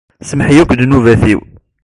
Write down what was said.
Semmeḥ-iyi akk ddnubat-iw.